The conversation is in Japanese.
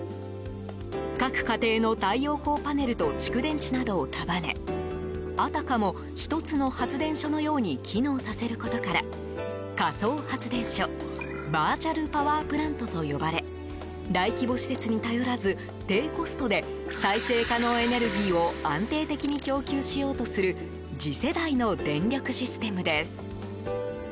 各家庭の太陽光パネルと蓄電池などを束ねあたかも１つの発電所のように機能させることから仮想発電所バーチャル・パワー・プラントと呼ばれ大規模施設に頼らず低コストで再生可能エネルギーを安定的に供給しようとする次世代の電力システムです。